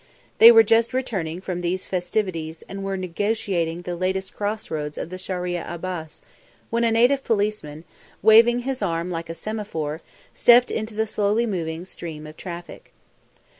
They were just returning from these festivities and were negotiating the last cross roads of the Sharia Abbas when a native policeman, waving his arm like a semaphore, stepped into the slowly moving stream of traffic.